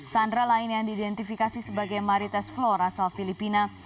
sandra lain yang diidentifikasi sebagai marites floor asal filipina